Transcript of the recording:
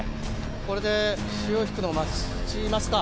これで潮引くのを待ちますか。